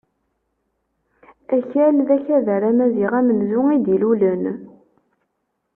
Akal, d akabar amaziɣ amenzu i d-ilulen.